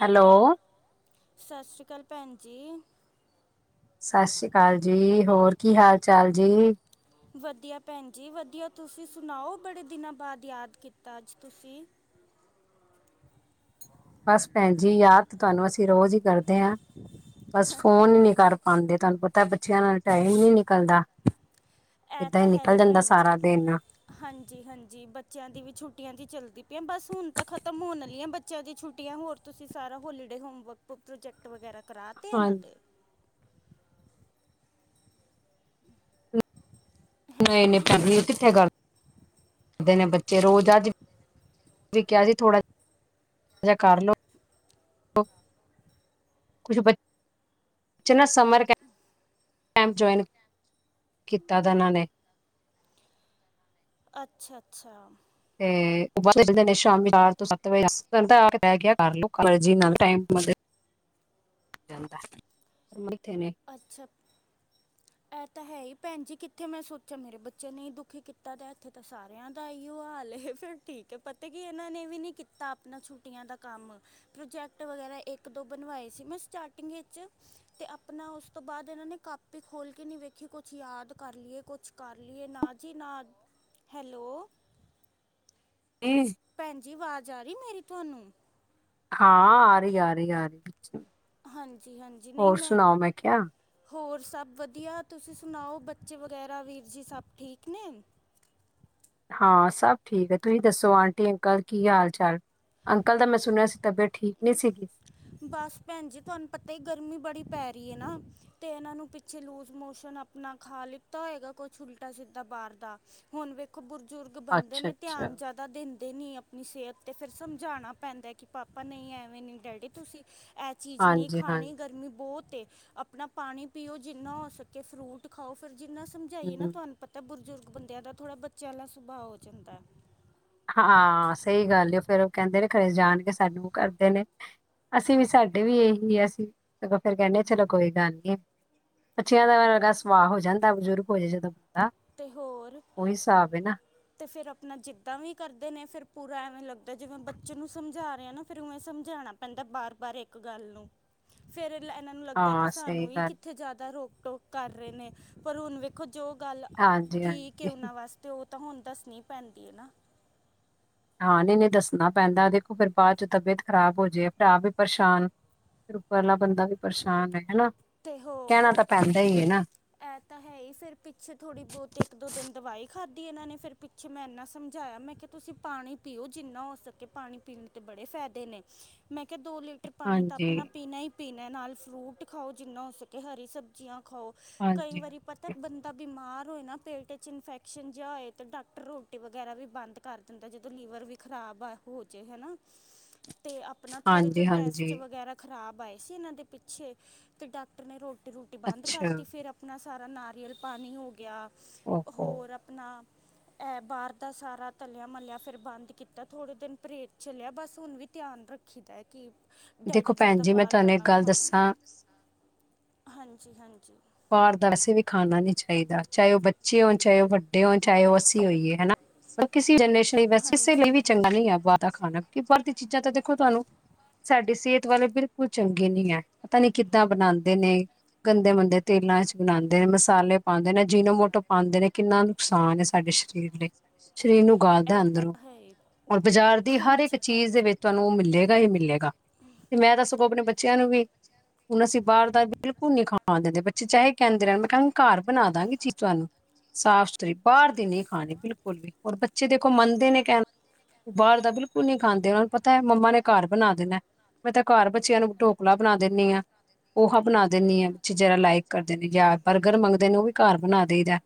Hello- ਸਤਿ ਸ਼੍ਰੀ ਅਕਾਲ ਭੈਣ ਜੀ। ਸਤਿ ਸ਼੍ਰੀ ਅਕਾਲ ਜੀ ਹੋਰ ਕੀ ਹਾਲ ਚਾਲ ਜੀ? ਵਧੀਆ ਭੈਣ ਜੀ ਵਧੀਆ ਤੁਸੀ ਸੁਣਾਓ ਬੜੇ ਦਿਨਾ ਬਾਅਦ ਯਾਦ ਕੀਤਾ ਅਜ ਤੁਸੀ ਬਸ ਭੈਣ ਜੀ ਯਾਦ ਤੁਹਾਨੂੰ ਅਸੀ ਰੋਜ ਈ ਕਰਦੇ ਆਂ ਬਸ ਫੋਨ ਹੀ ਨੀ ਕਰ- ਆਂਦੇ ਤੁਵਾਨ ਪਤਾ ਬੱਚਿਆਂ ਨਾਲ ਟਾਈਮ ਈ ਨੀ ਨਿਕਲਦਾ- ਐ ਏਦਾਂ ਈ ਤਾਂ ਹੈ ਨਿਕਲ ਹੀ ਜਾਂਦਾ ਭੈਣ ਜੀ ਸਾਰਾ ਦਿਨ। ਹਾਂਜੀ- ਹਾਂਜੀ ਬੱਚਿਆਂ ਦੀ ਵੀ ਛੁੱਟੀਆਂ ਜੀ ਚਲਦੀ ਪਈਆਂ ਬਸ ਹੁਣ ਤਾਂ ਖਤਮ ਹੋਣ ਆਲੀਆਂ ਬ ਬੱਚਿਆਂ ਦੀ ਛੁੱਟੀਆਂ ਹੋਰ ਤੁਸੀ ਸਾਰਾ ਹੋਲੀਡੇ ਹੋਮਵਰਕ ਪ੍ਰੋਜੈਕਟ ਵਗੈਰਾ ਕਰਾ ਤੇ ਇਹਨਾ ਹਾਂਜੀ ਦੇ? ਨਹੀ- ਹੈਲੋ ਨਹੀ ਭੈਣ ਜੀ ਕਿਥੇ ਕਰ ਕਰਦੇ ਨੇ ਬੱਚੇ ਰੋਜ ਅਜ- [unintelligible] ਕਿਹਾ ਸੀ ਥੋੜਾ ਜਾ ਕਰ ਲੋ ਕੁਛ ਬੱਚੇ ਨਾ ਸਮਰ ਕੈ ਕੈੰਪ ਜੁਆਇਨ ਕੀਤਾ ਦਾ ਇਹਨਾ ਨੇ। ਅਛਾ--ਅਛਾ। [unintelligible] [unintelligible] ਅਛਾ - [inaudible] ਇਹ ਤਾਂ ਹੈ ਈ ਭੈਣ ਜੀ ਕਿਥੇ ਮੈ ਸੋਚਿਆ ਮੇਰੇ ਬੱਚਿਆਂ ਨੇ ਈ ਦੁਖੀ ਕੀਤਾ ਦਾ ਇਥੇ ਤਾਂ ਸਾਰੇ ਸਾਰੇਆ ਦਾ ਐਇਯੋ ਹਾਲ ਏ ਫਿਰ ਠੀਕ ਹੈ ਪਤਾ ਕੀ ਇਹਨਾ ਨੇ ਵੀ ਨਹੀ ਕੀਤਾ ਆਪਣਾ ਛੁੱਟੀਆਂ ਦਾ ਕਮ ਪ੍ਰੋਜੈਕਟ ਵਗੈਰਾ ਇਕ ਦੋ ਬਣਵਾਏ ਸੀ ਮੈ ਸਟਾਰਟਿੰਗ ਚ ਤੇ ਆਪਣਾ ਉਸ ਤੋਂ ਬਾਅਦ ਇਹਨਾ ਨੇ ਕਾਪੀ ਖੋਲ ਕੇ ਨਹੀ ਵੇਖੀ ਕੁਛ ਯਾਦ ਕਰ ਲਈਏ ਕੁਛ ਕਰ ਲਈਏ ਨਾਲ [unintelligible] ਹੈਲੋ? ਕੀ [unintelligible] ਭੈਣ ਜੀ ਆਵਾਜ ਆ ਰਹੀ ਮੇਰੀ ਤੁਵਾਨੂੰ? ਹਾਂ ਆ ਰਹੀ ਆ ਰਹੀ ਆ ਰਹੀ ਹਾਂਜੀ- ਹਾਂਜੀ ਨਹੀ ਹੋਰ ਮੈ ਸੁਣਾਓ ਮੈਂ ਕਿਹਾ ਹੋਰ ਸਭ ਵਧੀਆ ਤੁਸੀ ਸੁਣਾਓ ਬੱਚੇ ਵਗੈਰਾ ਵੀਰ ਜੀ ਸਭ ਠੀਕ ਨੇ? ਹਾਂ ਸਭ ਠੀਕ ਹੈ। ਤੁਸੀ ਦੱਸੋ ਆਟੀ ਅੰਕਲ ਕੀ ਹਾਲ ਚਾਲ? ਅੰਕਲ ਦਾ ਮੈ ਸੁਣਿਆ ਸੀ ਤਬੀਅਤ ਠੀਕ ਨਹੀ ਸੀ। ਬਸ ਭੈਣ ਜੀ ਤੁਹਾਨੂੰ ਪਤਾ ਗਰਮੀ ਬੜੀ ਪੈ ਰਹੀ ਏ ਨਾ। ਤੇ ਇਹਨਾ ਨੂੰ ਪਿੱਛੇ ਲੂਜ ਮੋਸ਼ਨ ਆਪਣਾ ਖਾ ਲਿਤਾ ਹੋਏਗਾ ਕੁਛ ਉਲਟਾ ਸਿੱਧਾ ਬਾਹਰ ਦਾ ਹੁਣ ਵੇਖੋ ਬਜੁਰਗ ਬੰਦੇ ਅੱਛਾ ਨੇ ਅੱਛਾ ਧਿਆਨ ਜਾਦ ਦੇਂਦੇ ਨੀ ਆਪਣੀ ਸਿਹਤ ਤੇ ਫਿਰ ਸਮਝਾਣਾ ਪੈਂਦਾ ਕਿ ਪਾਪਾ ਨਹੀ ਐਵੇ ਨਹੀ ਡੈਡੀ ਤੁਸੀ ਇਹ ਚੀਜ਼ ਨਹੀਂ ਹਾਂਜੀ ਖਾਣੀ ਹਾਂਜੀ ਗਰਮੀ ਬਹੁਤ ਏ। ਆਪਣਾ ਪਾਣੀ ਪੀਓ ਜਿਨਾ ਹੋ ਸਕੇ ਫਰੂਟ ਖਾਓ ਫਿਰ ਜਿਨਾ ਸਮਝਾਈਏ ਨਾ ਹਮ, ਤੁਹਾਨੂੰ ਪਤ ਪਤਾ ਬਜ਼ੁਰਗ ਬੰਦਿਆਂ ਦਾ ਥੋੜ੍ਹਾ ਬੱਚਿਆਂ ਵਾਲਾ ਸੁਭਾਅ ਹੋ ਜਾਂਦਾ। ਹਾਂ ਸਹੀ ਗੱਲ ਏ ਫੇਰ ਉਹ ਕਹਿਦੇ ਨੇ ਖਰੇ ਜਾਣ ਕੇ ਸਾਨੂੰ ਕਰਦੇ ਨੇ। ਅਸੀ ਵੀ ਸਾਡੇ ਵੀ ਇਹੀ ਹੈ ਅਸੀ ਅਗੋ ਫੇਰ ਕਹਿਨੇ ਆਂ ਚਲੋ ਕੋਈ ਗੱਲ ਨੀ। ਬੱਚੀਆਂ ਦਾ ਵਰਗਾ ਸੁਭਾਵ ਹੋ ਜਾਂਦਾ ਬਜ਼ੁਰਗ ਹੋ ਜੇ ਜਦੋਂ। ਬੰਦਾ ਤੇ ਹੋਰ? ਉਹੀ ਹਿਸਾਬ ਏ ਨਾ। ਅਤੇ ਫਿਰ ਆਪਣਾ ਜਿਦਾਂ ਵੀ ਕਰਦੇ ਨੇ ਫਿਰ ਪੂਰਾ ਐਵੇ ਲਗਦਾ ਜਿਵੇ ਬੱਚੇ ਨੂੰ ਸਮਝਾ ਰਹੇ ਆਂ ਨਾ ਫਿਰ ਉਵੇ ਸਮਝਾਣਾ ਬੰਦਾ ਬਾਰ ਬਾਰ ਏਕ ਗੱਲ ਨੂੰ ਫੇਰ ਇਹਨਾ ਨੂੰ ਲਗਦਾ ਕਿ ਹਾਂ ਸਹੀ ਸਾਨੂੰ ਹੀ ਗੱਲ ਕਿਥੇ ਜਿਆਦਾ ਰੋਕ-ਟੋਕ ਕਰ ਰਹੇ ਨੇ- ਪਰ ਹੁਣ ਵੇਖੋ ਜੋ, ਗੱਲ ਹਾਂਜੀ ਠੀਕ ਹਾਂਜੀ ਹੈ। ਉਹਨਾ ਵਾਸਤੇ ਉਹ ਤਾਂ ਹੁਣ ਦਸਣੀ ਪੈਦੀ ਹੈ। ਨਾ- ਹਾਂ ਨਹੀ ਨੇ ਦਸਣਾ ਪੈਦਾ ਦੇਖੋ ਫਿਰ ਬਾਅਦ 'ਚ ਤਬੀਅਤ ਖਰਾਬ ਹੋ, ਜੇ ਫਿਰ ਆਪ ਹੀ ਪਰੇਸ਼ਾਨ- ਪਹਿਲਾਂ ਬੰਦਾ ਵੀ ਪਰੇਸ਼ਾਨ ਹੈਗਾ। ਨਾ ਤੇ ਹੋਰ- ਇਹ ਤਾਂ ਹੈ ਹੀ ਫਿਰ ਪਿੱਛੇ ਥੋੜ੍ਹੀ ਬਹੁਤੀ ਇੱਕ, ਦੋ ਦਿਨ ਦਵਾਈ ਖਾਧੀ ਇਹਨਾਂ ਨੇ, ਫਿਰ ਪਿੱ ਮੈਂ ਇੰਨਾ ਸਮਝਾਇਆ ਮੈਂ ਕਿਹਾ ਤੁਸੀਂ ਪਾਣੀ ਪੀਓ ਜਿੰਨਾ ਹੋ ਸਕੇ ਪਾਣੀ-ਪੀਣ ਤੇ, ਬੜੇ ਫਾਇਦੇ ਨੇ ਮੈਂ ਕਿਹਾ ਦੋ ਲੀਟਰ ਪਾਣੀ ਤਾਂ ਹਾਂਜੀ। ਆਪਣਾ ਪੀਣਾ ਹੀ ਪੀਣਾ ਨਾਲ ਫਰੂਟ ਖਾਓ ਜਿੰਨਾ ਹੋ, ਸਕੇ ਹਰੀ ਸਬਜ਼ੀਆਂ ਖਾਓ ਕਈ ਹਾਂਜੀ, ਵਾਰੀ ਤਾਂ ਬੰਦਾ ਬਿਮਾਰ ਹੋਏ ਨਾ, ਪੇਟ' ਇਨਫੈਕਸ਼ਨ ਜਿਹਾ ਹੋਏ ਤਾਂ ਡਾਕਟਰ ਰੋਟੀ ਵਗੈਰਾ ਵੀ, ਬੰਦ ਕਰ ਦਾ ਜਦੋਂ ਲੀਵਰ ਵੀ ਖ਼ਰਾਬ ਆ ਹੋ, ਜੇ ਹਨਾ [inaudible] ਅਤੇ ਆਪਣਾ ਥੋੜ੍ਹੇ ਜਿਹੇ ਹਾਂਜੀ-ਹਾਂਜੀ ਟੈਸਟ ਵਗੈਰਾ ਖ਼ਰਾਬ ਆਏ ਸੀ। ਇਹਨਾਂ ਦੇ, ਪਿੱਛੇ ਅਤੇ ਡਾਕਟਰ ਨੇ ਰੋਟੀ-ਰੂਟੀ ਬੰਦ ਅੱਛਾ ਕਰਤੀ ਫਿਰ ਆਪਣਾ ਸਾਰਾ ਨਾਰੀਅਲ ਪਾਣੀ ਹੋ ਗਿਆ। ਓਹੋ ਹੋਰ ਆਪਣਾ ਇਹ ਬਾਹਰ ਦਾ, ਸਾਰਾ ਤਲਿਆ-ਮਲਿਆ ਫਿਰ ਬੰਦ ਕੀਤਾ ਥੋੜੇ ਦਿਨ ਪਰੇਜ ਚਲਿਆ ਬਸ ਹੁਣ ਵੀ, ਧਿਆਨ ਰੱਖ ਰਖੀਦਾ ਕਿ ਦੇਖੋ ਡੈਡੀ ਭੈਣ ਜ਼ਿਆਦਾ ਜੀ ਮੈਂ ਬਾਹਰ ਤਾਂ, ਤੁਹਾਨੂੰ ਇੱਕ ਨਾ ਗੱਲ ਖਾਣ ਦੱਸਾਂ ਹਾਂਜੀ-ਹਾਂਜੀ ਬਾਹਰ ਦਾ, ਵਸੇ ਵੀ, ਖਾਣਾ ਨੀ ਚਾਹੀਦਾ। ਚਾਹੇ ਉਹ ਬੱਚੇ ਹੋਣ ਚਾਹੇ ਉਹ ਵੱਡੇ ਹੋਣ ਚਾਹੇ ਉਹ ਅਸੀਂ ਹੋਈਏ ਹਨਾ ਕਿਸੇ ਜਨਰੇਸ਼ਨ ਲਈ ਬਸ ਕਿਸੇ ਲਈ ਹਾਂਜੀ ਵੀ ਚੰਗਾ ਨਹੀਂ ਬਾਹਰ ਖਾਣਾ ਕਿ, ਭਰਤੀ ਚੀਜ਼ਾਂ ਤਾਂ, ਦੇਖੋ ਤੁਹਾਨੂੰ ਸਾਡੀ ਸਿਹਤ ਵਾਲੇ ਬਿਲਕੁਲ ਚੰਗੇ ਨੀ ਹੈ। ਪਤਾ ਨੀ ਕਿੱਦਾਂ ਬਣਾਉਂਦੇ ਨੇ ਗੰਦੇ-ਮੁੰਦੇ ਤੇਲਾਂ ਚ, ਬਣਾਉਂਦੇ ਨੇ ਮਸਾਲੇ ਪਾਉਂਦੇ ਨੇ ਜੀਨੋ, ਮੋਟੋ ਪਾਉਂਦੇ ਨੇ, ਕਿੰਨਾ ਨੁਕਸਾਨ ਹੈ ਸਾਡੇ ਸਰੀਰ ਤੇ ਸਰੀਰ ਨੂੰ ਗਾਲ ਦਾ, ਇਹ ਤਾਂ ਅੰਦਰੋਂ ਹੈ ਹੀ। ਹੁਣ ਬਾਜ਼ਾਰ ਦੀ ਹਰ ਇੱਕ ਹਾਂਜੀ ਭੈਣ ਚੀਜ਼ ਦੇ, ਜੀ ਵਿੱਚ ਤੁਹਾਨੂੰ ਮਿਲੇ ਹੀ ਮਿਲੇਗਾ ਤੇ ਮੈਂ, ਤਾਂ ਸਗੋਂ ਆਪਣੇ ਬੱਚਿਆਂ ਨੂੰ ਵੀ, ਹੁਣ ਅਸੀਂ ਬਾਹਰ ਦਾ ਬਿਲਕੁਲ ਨ ਨਹੀਂ ਖਾਣ ਦਿਦੇ ਚਾਹੇ ਕਹਿੰਦੇ ਰਹਿਣ ਮੈਂ ਕਿਹਾ ਘਰ ਬਣਾ ਦਾਂਗੀ ਚੀਜ਼ ਤੁਹਾਨੂੰ ਸਾਫ਼-ਸੁਥਰੀ ਬਾਹਰ ਦੀ ਨ ਹਾਂ ਜੀ ਬਿਲਕੁਲ-ਬਿਲਕੁਲ ਔਰ ਬੱਚੇ ਦੇਖੋ ਮਾਨਤੇ ਨਹੀਂ ਕਹਿਣਾ ਬਾਹਰ ਦਾ ਬਿਲਕੁਲ ਨਹੀ ਖਾਂਦੇ ਉਹਨਾਂ ਨੂੰ ਪਤਾ ਹੈ। ਮੰਮਾ ਨੇ ਘਰ ਬਣਾ ਦੇਣਾ ਮੈਂ, ਤਾਂ ਘਰ ਬੱਚਿਆਂ ਨੂੰ ਢੋਕਲਾ ਬਣਾ ਦਿੰਦੀ ਹਾਂ ਪੋਹਹ ਬਣਾ ਦਿੰਦੀ ਹਾਂ ਵਿੱਚ ਜਿਹਰਾ ਲਾਇਕ ਕਰਦੇ ਨੇ, ਯ ਬਰਗਰ ਮੰਗਦੇ ਨੇ ਉਹ ਵੀ ਘਰ ਬਣਾ ਦੇਈਦਾ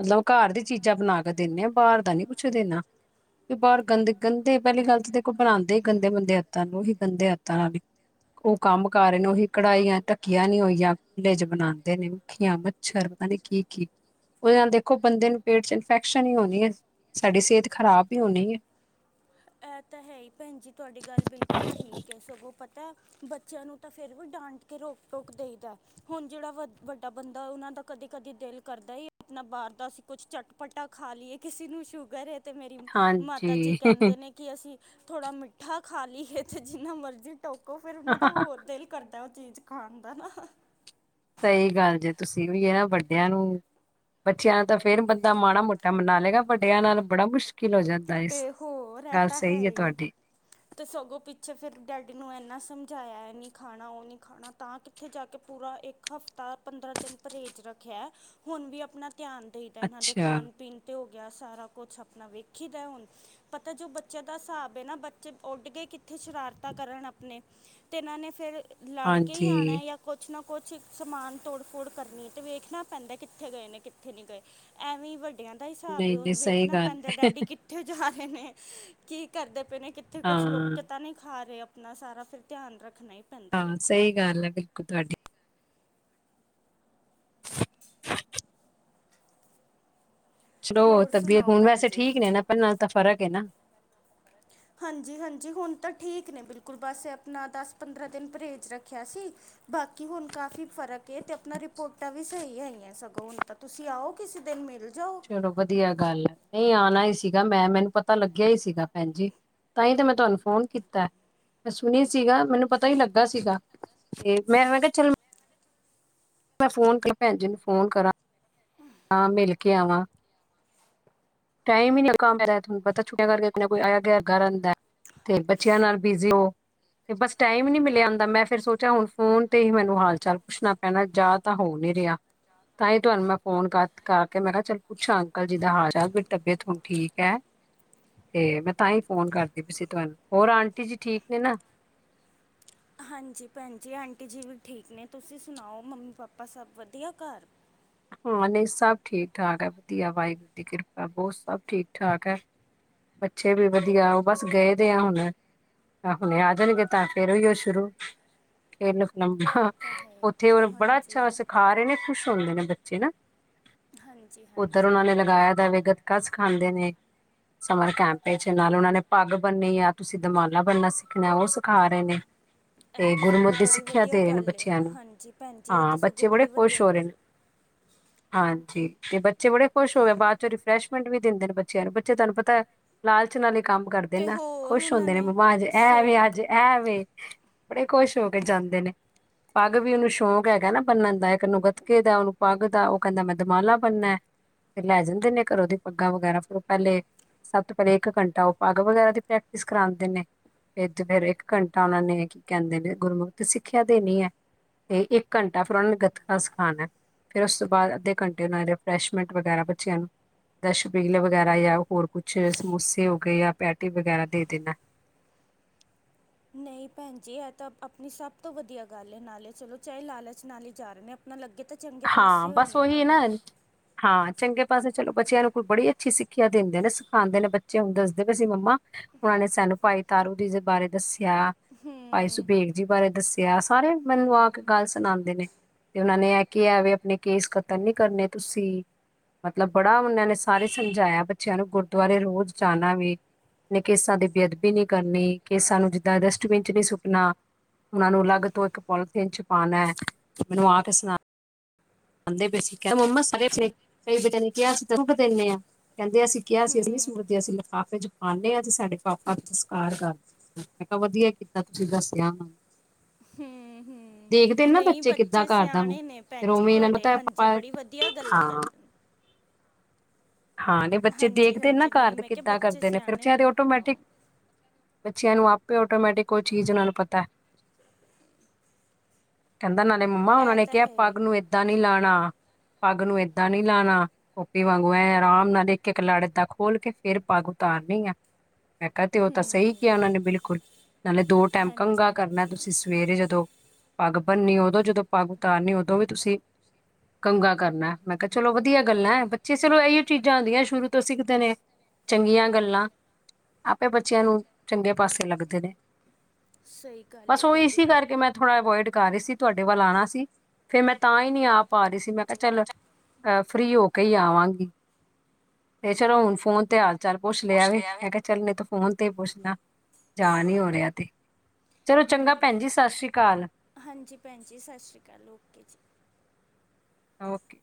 ਮਤਲਬ ਘਰ ਦੀ ਚੀਜ਼ਾਂ ਬਣਾ ਕੇ, ਦਿੰਦੇ ਆ ਬਾਹਰ ਦਾ ਨੀ ਕੁੱਛ ਦੇਣਾ। ਬਹਾਰ ਗੰਦੇ-ਗੰਦੇ ਪਹਿਲੀ ਗੱਲ ਤਾਂ ਦੇਖੋ ਬਣਾਉਂਦੇ ਹੀ ਗੰਦੇ, ਬੰਦੇ ਆਤਾਂ ਨੂੰ ਹੀ ਗੰਦੇ ਆਤਾਂ ਨਾਲ ਹੀ ਉਹ ਕੰਮ ਕਰ ਰਹੇ ਨੇ, ਉਹੀ ਕੜਾਈਆਂ ਢੱਕੀਆਂ ਨੀ ਹੋਈਆਂ ਖੁੱਲੇ ਚ, ਬਣਾਦੇ ਨੇ, ਮੱਖੀਆਂ ਮੱਛਰ ਪਤਾ ਨਹੀਂ ਕੀ, ਕੀ ਉਹਦੇ ਨਾਲ ਦੇਖੋ ਬੰਦੇ ਨੂੰ ਪੇਟ ਚ, ਇਨਫੈਕਸ਼ਨ ਹੀ ਹੋਣੀ ਹੈ। ਸਾਡੀ ਸਿਹਤ ਖ਼ਰਾਬ ਹੀ ਹੋਣੀ ਹੈ! ਇਹ ਤਾਂ ਹੈ ਹੀ ਭੈਣ ਜੀ ਤੁਹਾਡੀ ਗੱਲ ਬਿਲਕੁਲ ਠੀਕ ਹੈ ਸਗੋਂ ਪਤਾ ਬੱਚਿਆਂ ਨੂੰ ਤਾਂ ਫੇਰ ਵੀ, ਡਾਂਟ ਕੇ ਰੋਕ-ਟੋਕ ਦੇਈਦਾ ਹੁਣ ਜਿਹੜਾ ਵ ਵੱਡਾ ਬੰਦਾ ਉਹਨਾਂ ਦਾ ਕਦੇ-ਕਦੇ ਦਿਲ ਕਰਦਾ ਹੀ ਆਪਣਾ ਬਾਹਰ ਦਾ ਅਸੀਂ ਕੁਛ ਚਟਪਟਾ ਖਾ ਲਈਏ! ਕਿਸੇ ਨੂੰ ਸ਼ੂਗਰ ਹੈ ਤੇ ਮੇਰੀ ਮਾਤਾ ਜੀ ਹਾਂਜੀ। ਕਹਿੰਦੇ ਨੇ, ਕਿ ਅਸੀਂ ਥੋੜ੍ਹਾ ਮਿੱਠਾ ਖਾ, ਲਈਏ। ਅਤੇ ਜਿੰਨਾ ਮਰਜ਼ੀ ਟੋਕੋ ਫਿਰ ਉਹਨਾਂ ਦਾ ਹੋਰ ਦਿਲ ਕਰਦਾ ਉਹ ਚੀਜ਼ ਖਾਣ ਦਾ, ਨਾ ਸਹੀ ਗੱਲ ਜੇ ਤੁਸੀਂ ਵੀ, ਇਹ ਨਾ ਵੱਡਿਆਂ ਨੂੰ। ਬੱਚਿਆਂ ਨਾਲ ਤਾਂ, ਫੇਰ ਬੰਦਾ ਮਾੜਾ, ਮੋਟਾ ਮਨਾ ਲਏਗਾ ਵੱਡਿਆਂ ਨਾਲ ਬੜਾ ਮੁਸ਼ਕ ਕਿਲ ਹੋ ਜਾਂਦਾ ਏ, ਇਸ ਤੇ ਗੱਲ ਸਹੀ ਹੈ ਤੁਹਾਡੀ। ਅਤੇ ਸਗੋਂ ਪਿੱਛੇ ਫਿਰ ਡੈਡੀ ਨੂੰ ਇੰਨਾ ਸਮਝਾਇਆ ਐ ਨਹੀਂ ਖਾਣਾ, ਉਹ ਨਹੀਂ ਖਾਣਾ ਤਾਂ ਕਿ ਉੱਥੇ ਜਾ ਕੇ ਪੂਰਾ ਇੱਕ ਹਫ਼ਤਾ- ਪੰਦਰਾਂ ਦਿਨ ਪਰਹੇਜ਼ ਰੱਖਿਆ। ਹੁਣ ਵੀ ਆਪਣਾ ਧਿਆਨ ਦਈ ਦਾ, ਇਹਨਾਂ ਦੇ ਅੱਛਾ ਖਾਣ -ਪੀਣ ਤੇ ਹੋ ਗਿਆ ਸਾਰਾ ਕੁਛ ਆਪਣਾ ਵੇਖੀ ਦਾ ਹੁਣ, ਪਤਾ ਜੋ ਬੱਚਿਆਂ ਦਾ ਹਿਸਾਬ ਹੈ ਨਾ ਬ ਉੱਡ ਕੇ ਕਿੱਥੇ ਸ਼ਰਾਰਤਾਂ ਕਰਨ ਆਪਣੇ ਤੇ ਇਹਨਾਂ ਨੇ ਫਿਰ ਲੜਕੇ ਹੀ ਹਾਂਜੀ ਆਨਾ ਜਾਂ ਕੁਛ ਨਾ ਕੁਛ ਸਮਾਨ ਤੋੜ ਫੋੜ ਕਰਨੀ, ਤੇ ਵੇਖਣਾ ਪੈਂਦਾ ਕਿੱਥੇ ਗਏ ਨੇ, ਕਿੱਥੇ ਨਹੀਂ ਗਏ? ਐਵੇਂ ਵੱਡਿਆਂ ਦਾ ਹਿਸਾਬ ਏ ਨਹੀਂ ਹੁਨ ਨਹੀਂ ਸਹੀ ਵੇਖਣਾ ਗੱਲ ਪੈਂਦਾ ਹੈ ਡੈਡੀ ਕਿ ਕਿੱਥੇ ਜਾ ਰਹੇ ਨੇ, ਕੀ ਕਰਦੇ ਪਏ ਨੇ, ਕਿੱਥੇ ਕੁਝ ਲੁਕ ਹਾਂ ਕੇ ਤਾਂ ਨਹੀਂ ਖਾ ਰਹੇ ਆਪ ਇਤਨਾ ਸਾਰਾ ਫਿਰ ਧਿਆਨ ਰੱਖਣੇ, ਹਾਂ, ਸਹੀ ਗੱਲ ਹੈ, ਬਿਲਕੁਲ ਤੁਹਾਡੀ। ਚਲੋ, ਹੋਰ ਤਬੀਅਤ ਸੁਣਾਓ ਹੁਣ ਭੈਣ ਵੈਸੇ ਜੀ ਠੀਕ ਨੇ ਨਾ? ਪੈਲਾਂ ਨਾ ਤਾਂ ਫ਼ਰਕ ਹੈ ਨਾ? ਹਾਂਜੀ, ਹਾਂਜੀ। ਹੁਣ ਤਾਂ ਠੀਕ ਨੇ ਬਿਲਕੁਲ, ਬਸ ਆਪਣਾ ਦਸ -ਪੰਦਰਾਂ ਦਿਨ ਪਰਹੇਜ਼ ਰੱਖਿਆ ਸੀ। ਬਾਕੀ ਹੁਣ ਕਾਫ਼ੀ ਫਰਕ ਏ ਤੇ ਆਪਣਾ ਰਿਪੋਟਾਂ ਵੀ ਸਹੀ ਹੈਗੀਆਂ, ਸਗੋਂ ਹੁਣ ਤਾਂ। ਤੁਸੀਂ ਆਓ ਕਿਸੇ ਦਿਨ ਮਿਲ ਜਾਓ। ਚਲੋ ਵਧੀਆ ਗੱਲ ੲੈ। ਨਈ, ਆਣਾ ਹੀ ਸੀਗਾ ਮੈਂ, ਮੈਨੂੰ ਪਤਾ ਲੱਗਿਆ ਹੀ ਸੀਗਾ ਭੈਣ ਜੀ। ਤਾਂਈ ਤੇ ਮੈਂ ਤੁਵਾਨੂੰ ਫ਼ੋਨ ਕੀਤਾ। ਮੈਂ ਸੁਣੀ ਸੀਗਾ, ਮੈਨੂੰ ਪਤਾ ਹੀ ਲੱਗਾ ਸੀਗਾ ਤੇ ਮੈਂ- ਮੈਂ ਕਿਹਾ, ਚੱਲ ਮੈਂ ਫੋਨ ਪੈਲਾ ਭੈਣ ਜੀ ਨੂੰ ਫੋਨ ਕਰਾਂ, ਆ ਮਿਲ ਕੇ ਆਵਾਂ। ਟਾਈਮ ਈ ਨੀ ਲੱਗਾ ਮੇਰਾ ਐਤਕੀ, ਤੁਹਾਨੂੰ ਪਤਾ ਛੁੱਟੀਆਂ ਕਰਕੇ ਕੋਈ ਨਾ ਕੋਈ ਆਇਆ ਗਿਆ ਲਗਾ ਰੈਨਦਾ। ਤੇ ਬੱਚਿਆਂ ਨਾਲ ਬਿਜ਼ੀ ਹੋ। ਤੇ ਬਸ ਟਾਈਮ ਹੀ ਨੀ ਮਿਲਿਆ ਆਂਦਾ, ਮੈਂ ਫਿਰ ਸੋਚਿਆ ਹੁਣ ਫੋਨ 'ਤੇ ਹੀ ਮੈਨੂੰ ਹਾਲ -ਚਾਲ ਪੁੱਛਣਾ ਨਾ ਜਾ ਤਾਂ ਹੋ ਨੀ ਰਿਹਾ। ਤਾਈ ਤੁਹਾਨੂੰ ਮੈਂ ਫੋਨ ਕਰ -ਕਰ ਕੇ ਮੈਂ ਕਿਹਾ, ਚੱਲ ਪੁੱਛਾਂ ਅੰਕਲ ਜੀ ਦਾ ਹਾਲ-ਚਾਲ। ਤਬੀਅਤ ਹੁਣ ਠੀਕ ਹੈ। ਤੇ ਮੈ ਤਾਂ ਹੀ ਫੋਨ ਕਰਦੀ ਪਈ ਸੀ ਤੁਹਾਨੂੰ। ਹੋਰ ਆਂਟੀ ਜੀ ਠੀਕ ਨੇ ਨਾ? ਹਾਂਜੀ ਭੈਣ ਜੀ, ਆਂਟੀ ਜੀ ਵੀ ਠੀਕ ਨੇ। ਤੁਸੀਂ ਸੁਣਾਓ, ਮੰਮੀ -ਪਾਪਾ ਸਭ ਵਧੀਆ ਘਰ? ਹਾਂ, ਨਹੀਂ ਸਭ ਠੀਕ- ਠਾਕ ਹੈ, ਵਧੀਆ। ਵਾਹਿਗੁਰੂ ਦੀ ਕਿਰਪਾ ਬਹੁਤ, ਸਭ ਠੀਕ -ਠਾਕ ਐ। ਬੱਚੇ ਵੀ ਵਧੀਆ, ਉਹ ਬਸ ਗਏ ਦੇ ਆ ਹੁਣ। ਆਹ ਹੁਣੇ ਆ ਜਾਣਗੇ, ਤਾਂ ਫਿਰ ਉਹੀਓ ਸ਼ੁਰੂ। ਇਹ ਲੰਮਾ ਤਾਂ ਹੈ ਉੱਥੇ ਉ ਲੋਕ ਬੜਾ ਹਾਂਜੀ ਅੱਛਾ ਸਿਖਾ ਰਹੇ ਨੇ, ਕੁੱਛ? ਤੋਂਦੇ ਨੇ ਬੱਚੇ ਨਾ, ਹਾਂਜੀ ਉੱਧਰ ਹਾਂਜੀ ਉਹਨਾਂ ਨੇ ਲਗਾਇਆ ਦਾਵੇ, ਗੱਤਕਾ ਸਿਖਾਂਦੇ ਨੇ। ਸਮਰ ਕੈਂਪ ਵਿੱਚ, ਨਾਲ ਉਹਨਾਂ ਨੇ ਪੱਗ ਬੰਨੀ ਆ, ਤੁਸੀਂ ਦਮਾਲਾ ਬਣਨਾ ਸਿੱਖਣਾ, ਉਹ ਸਿਖਾ ਰਹੇ ਨੇ। ਇਹ ਤੇ ਤਾਂ ਸਗੋਂ ਗੁਰਮੁਤ ਦੀ ਬੜੀ ਸਿੱਖਿਆ ਵਧੀਆ ਦੇ ਰਹੇ ਨੇ ਗੱਲ ਹੈ ਬੱਚਿਆਂ ਨੂੰ। ਹਾਂਜੀ ਭੈਣ ਜੀ ਇਹ ਹਾਂ, ਤਾਂ ਸਗੋਂ ਬੱਚੇ ਵੜੇ ਬੜੀ ਖੁਸ਼ ਵਧੀਆ ਹੋ ਰਹੇ ਨੇ। ਗੱਲ ਹਾਂਜੀ, ਤੇ ਬੱਚੇ ਬੜੇ ਖੁਸ਼ ਹੋ ਗਏ, ਬਾਦ ਚੋਂ ਰਿਫਰੈਸ਼ਮੈਂਟ ਵੀ ਦਿੰਦੇ ਨੇ ਬੱਚਿਆਂ ਨੂੰ। ਬੱਚੇ, ਤੁਹਾਨੂੰ ਪ ਤਾ ਲਾਲਚ ਨਾਲੇ ਈ ਕੰਮ ਕਰਦੇ ਤੇ ਨਾ, ਹੋਰ ਖੁਸ਼ ਉਹਨਾਂ ਹੁੰਦੇ ਨੇ, ਮੰਮਾ ਅੱਜ ਐ ਵੈ, ਸਹੀ ਅੱਜ ਗੱਲ ਐ ਵੈ। ਬੜੇ ਖੁਸ਼ ਹੋ ਕੇ ਜਾਂਦੇ ਨੇ। ਪੱਗ ਵੀ ਉਹਨੂੰ ਸ਼ੌਂਕ ਹੈਗਾ ਨਾ ਬਣਨ ਦਾ, ਇੱਕ ਨੂੰ ਗੱਤਕੇ ਦਾ, ਉਹਨੂੰ ਪੱਗ ਦਾ। ਉਹ ਕਹਿੰਦਾ, ਮੈਂ ਦਮਾਲਾ ਬਨਣਾ। ਫਿਰ ਲੈ ਜਾਂਦੇ ਨੇ ਘਰੋਂ ਦੀ ਪੱਗਾਂ ਵਗੈਰਾ, ਫਿਰ ਉਹ ਪੈਲੇ। ਸਭ ਤੋਂ ਪੈਲਾ ਇੱਕ ਘੰਟਾ ਉਹ ਪਗ ਵਗੈਰਾ ਦੀ ਪ੍ਰੈਕਟਿਸ ਕਰਵਾਂਦੇ ਨੇ। ਫੇਰ ਦੁਪਹਿਰੇ ਇੱਕ ਘੰਟਾ ਉਹਨਾ ਨੇ ਕੀ ਕਹਿੰਦੇ ਨੇ, ਗੁਰਮੁਖ ਦੀ ਸਿੱਖਿਆ ਦੇਨੀ ਹੈ। ਤੇ ਇੱਕ ਘੰਟਾ ਫਿਰ ਉਹਨਾਂ ਨੇ ਗੱਤਕਾ ਸਿਖਾਣਾ। ਫੇਰ ਉਸ ਤੋਂ ਬਾਅਦ ਅੱਧੇ ਘੰਟੇ ਉਹਨਾ ਨੇ ਰਿਫਰੈਸ਼ਮੈਂਟ ਵਗੈਰਾ ਬੱਚਿਆਂ ਨੂੰ, ਜਾਂ ਸ਼ਬੀਲ ਵਗੈਰਾ ਜਾਂ ਹੋਰ ਕੁਛ ਸਮੋਸੇ ਹੋ ਗਏ ਜਾਂ ਪੈਟੀ ਵਗੈਰਾ ਦੇ ਦੇਣਾ। ਨਈ ਪੈਣ ਜੀ, ਇਹ ਤਾਂ ਆਪਣੀ ਸਭ ਤੋਂ ਵਦੀਆ ਗੱਲ ਏ। ਨਾਲੇ ਚਲੋ, ਚਾਹੇ ਲਾਲਚ ਨਾਲ ਈ ਜਾ ਰਹੇ ਨੇ, ਆਪਣਾ ਲੱਗੇ ਤਾਂ ਚੰਗੇ ਹਾਂ, ਪਾਸੇ ਹੋਏ ਬਸ ਨੇ ਉਹੀ ਏ ਨਾ ਹਾਂ, ਚੰਗੇ ਪਾਸੇ ਚਲੋ, ਬੱਚਿਆਂ ਨੂੰ ਕੋਈ ਬੜੀ ਅੱਛੀ ਸਿੱਖਿਆ ਦਿੰਦੇ ਨੇ, ਸਿਖਾਦੇ ਨੇ। ਬੱਚੇ ਹੁਣ ਦੱਸਦੇ ਪਏ ਸੀ, ਮੰਮਾ ਹੁਨੇ ਨੇ ਸਾਨੂੰ ਭਾਈ ਤਾਰੂ ਜੀ ਦੇ ਬਾਰੇ ਦੱਸਿਆ ਭਾਈ ਸੁਬੇਗ ਜੀ ਬਾਰੇ ਦੱਸਿਆ। ਸਾਰੇ ਮੈਨੂੰ ਆ ਕੇ ਗੱਲ ਸੁਨਾੰਦੇ ਨੇ ਤੇ ਉਹਨਾਂ ਨੇ ਐ ਕਿ ਐਵੇਂ, ਆਪਣੇ ਕੇਸ ਕਤਲ ਨਈ ਕਰਨੇ ਤੁਸੀਂ ਮਤਲਬ ਬੜਾ ਉਹਨਾਂ ਨੇ ਸਾਰੇ ਸਮਝਾਇਆ ਬੱਚਿਆਂ ਨੂੰ ਗੁਰਦੁਆਰੇ ਰੋਜ਼ ਜਾਣਾ ਵੇ ਨੇ, ਕੇਸਾਂ ਦੀ ਬੇਅਦਬੀ ਨਈ ਕਰਨੀ, ਕੇਸਾਂ ਨੂੰ ਜਿੱਦਾਂ ਡਸਟਬਿਨ 'ਚ ਨਈ ਸੁੱਟਣਾ ਉਹਨਾਂ ਨੂੰ ਅਲਗ ਤੋਂ ਇੱਕ ਪੋਲੀਥੀਨ ਚ ਪਾਣਾ, ਮੈਨੂੰ ਆ ਕੇ ਸੁਣਾ [unintelligible] ਕੈੰਦੇ, ਅਸੀਂ ਕਿਹਾ ਸੀ ਅਸੀਂ ਨਹੀਂ ਸੁਟਦੇ, ਅਸੀਂ ਲਫਾਫੇ' ਚ ਪਾਨੇ ਆ ਤੇ ਸਾਡੇ ਪਾਪਾ ਸਸਕਾਰ ਕਰ ਮੈਂ ਕਿਆ ਵਦੀਆ ਕੀਤਾ ਤੁਸੀਂ ਦੱਸਿਆ ਵਾ ਹੂੰ ਹੂੰ ਦੇਖਦੇ ਨੇ ਨਾ ਨਹੀਂ ਬੱਚੇ ਕਿੱਦਾਂ ਘਰਦਾ ਮੂੰ ਸਿਆਣੇ ਨੇ ਫੇਰ ਭੈਣ ਜੀ ਅੋਵੇ ਇਹਨਾਂ ਨੂੰ ਤੁਹਾਡੇ ਹਾਂਜੀ ਬੜੀ ਵਧੀਆ ਗੱਲਾਂ ਕਰਦੇ [inaudible] ਨੇ ਹਾਂ, ਤੇ ਬੱਚੇ ਹਾਂਜੀ ਦੇਖਦੇ ਨੇ ਨਾ ਹਾਂਜੀ ਨਹੀਂ ਘਾਰ ਦੇ, ਮੈਂ ਕਿਹਾ ਕਿੱਦਾਂ ਬੱਚੇ ਕਰਦੇ ਨੇ ਸਿਆਣੇ ਫਿਰ ਅੋਟੋਮੈਟਿਕ। ਹਾਂ ਬੱਚਿਆਂ ਨੂੰ ਆਪੇ ਆਟੋਮੈਟਿਕ ਉਹ ਚੀਜ਼ ਉਹਨਾ ਨੂੰ ਪਤਾ ਕਹਿੰਦਾ ਨਾਲੇ ਮੰਮਾ ਉਹਨਾਂ ਇਹ ਨੇ ਤਾਂ ਕਿਹਾ ਹੈ ਹੀ ਪੱਗ ਨੂੰ ਏ ਏਦਾਂ ਨੀ ਲਾੰਣਾ ਪੱਗ ਨੂੰ ਏਦਾਂ ਨੀ ਲਾੰਣਾ ਟੋਪੀ ਵਾਂਗੂ ਐ ਆਰਾਮ ਨਾਲ ਇੱਕ ਇੱਕ ਲੜ ਦਾ ਖੋਲ੍ਹ ਕੇ ਫੇਰ ਪਾਗ ਉਤਾਰਨੀ ਆ ਮੈਂ ਕਿਹਾ ਤੇ ਉਹ ਤਾਂ ਸਹੀ ਕਿਹਾ ਉਹਨਾਂ ਨੇ ਬਿਲਕੁਲ ਨਾਲੇ ਦੋ ਟਾਈਮ ਕੰੰਘਗਾ ਹਾਂਜੀ ਕਰਨਾ ਹਾਂਜੀ ਤੁਸੀਂ ਸਵੇਰੇ ਜਦੋਂ ਪੱਗ ਬਨਨੀ ਉਦੋਂ ਜਦੋਂ ਪੱਗ ਉਤਾਰਨੀ ਉਦੋਂ ਵੀ ਤੁਸੀਂ ਕੰਗਾ ਕਰਨਾ ਮੈਂ ਕਿਹਾ ਚਲੋ ਵਦੀਆ ਗੱਲਾਂ ਬੱਚੇ ਚਲੋ ਇਹੀ ਚੀਜ਼ਾਂ ਹੂੰਦੀਆਂ ਸ਼ੁਰੂ ਤੋਂ ਅਸੀਂ ਕਿਤੇ ਨੇ ਚੰਗੀਆਂ ਗੱਲਾਂ ਆਪੇ ਬੱਚਿਆਂ ਨੂੰ ਚੰਗੇ ਪਾਸੇ ਲੱਗਦੇ ਨੇ ਸਹੀ ਗੱਲ ਏ ਬਸ ਉਹ ਤੁਹਾਡੀ ਇਸੀ ਕਰਕੇ ਬਿਲਕੁਲ ਮੈਂ ਥੋੜ੍ਹਾ ਅਵੋਇਡ ਕਰ ਰਹੀ ਸੀ ਤੁਹਾਡੇ ਵੱਲ ਆਣਾ ਸੀ ਫੇਰ ਮੈਂ ਤਾਂ ਹੀ ਨਹੀਂ ਆ ਪਾ ਰਹੀ ਸੀ ਮੈਂ ਕਿਹਾ ਚੱਲ ਅ ਫ੍ਰਰੀ ਹੋ ਕੇ ਈ ਆਵਾਂਗੀ ਤੇ ਚਲੋ ਹੁਣ ਫੋਨ ਤੇ ਹਾਲ ਚਾਲ ਪੁੱਛ ਲਿਆ ਵੇ ਮੈਂ ਕਿਹਾ ਚੱਲ ਨੀ ਤੋ ਫੋਨ ਤੇ ਪੁੱਛ ਲਾ ਜਾ ਨੀ ਹੋ ਰਿਹਾ ਤੇ ਚਲੋ ਚੰਗਾ ਨਹੀਂ ਪੈਣ ਜੀ ਨਹੀਂ ਸਤਿ ਸ੍ਰੀ ਅਕਾਲ ਹਾਂਜੀ ਪੈਣ ਜੀ ਸਤਿ ਸ਼੍ਰੀ ਅਕਾਲ ਓਕੇ ਜੀ ਓਕੇ